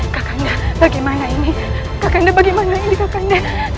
kakanda bagaimana ini kakanda bagaimana ini kakanda